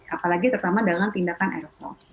apalagi terutama dalam tindakan aerosol